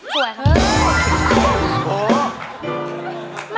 สวยครับ